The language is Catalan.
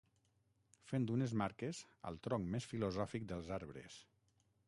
Fent unes marques al tronc més filosòfic dels arbres.